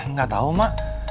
nggak tahu mak